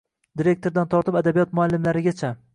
Direktordan tortib, adabiyot muallimlarigacha.